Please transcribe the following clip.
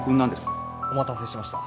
お待たせしました。